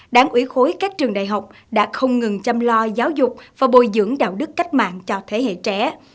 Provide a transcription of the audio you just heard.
đảng ủy khối các trường đại học đã không ngừng chăm lo giáo dục và bồi dưỡng đạo đức cách mạng cho thế hệ trẻ